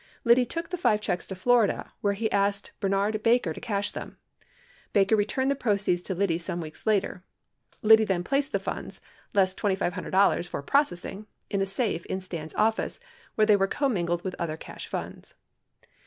Liddy took the five checks to Florida where he asked Bernard Barker to cash them. Barker returned the proceeds to Liddy some weeks later. Liddy then placed the funds, less $2,500 for "processing," in a safe in Stans' office where they were commingled with other cash funds.